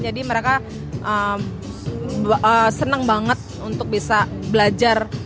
jadi mereka senang banget untuk bisa belajar